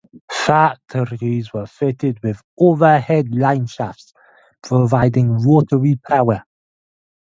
Factories were fitted with overhead line shafts providing rotary power.